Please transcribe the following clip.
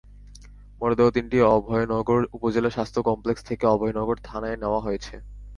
মরদেহ তিনটি অভয়নগর উপজেলা স্বাস্থ্য কমপ্লেক্স থেকে অভয়নগর থানায় নেওয়া হয়েছে।